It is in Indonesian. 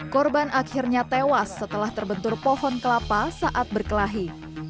korban akhirnya tewas setelah terbentur pohon kelapa saat berkelahi